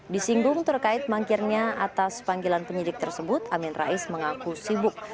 di singgung terkait mangkirnya atas panggilan penyidik tersebut amin raiz mengaku sibuk